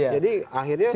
jadi akhirnya muncul